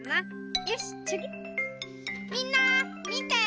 みんなみて！